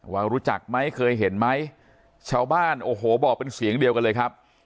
ว่ารู้จักไหมเคยเห็นไหมชาวบ้านโอ้โหบอกเป็นเสียงเดียวกันเลยครับ